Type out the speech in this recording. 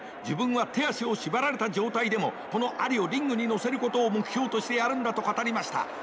自分は手足を縛られた状態でもこのアリをリングに乗せることを目標としてやるんだと語りました。